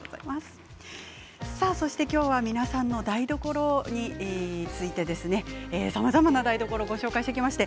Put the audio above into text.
そして今日は皆さんの台所についてですね。さまざまな台所をご紹介しました。